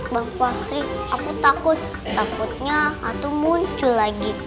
bang fahri aku takut takutnya hatu muncul lagi